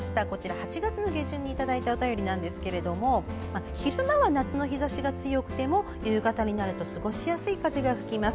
８月下旬にいただいたお便りですが昼間は夏の日ざしが強くても夕方になると過ごしやすい風が吹きます。